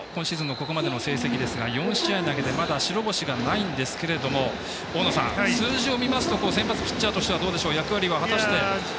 ここまでの成績ですが４試合投げてまだ白星がないんですけども大野さん、数字を見ますと先発ピッチャーとしては役割は果たしていますか？